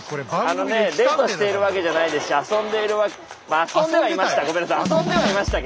あのねデートしているわけじゃないですし遊んでいるわけまあ遊んではいました。